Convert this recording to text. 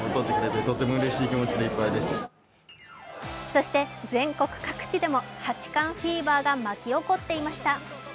そして全国各地でも八冠フィーバーが巻き起こっていました。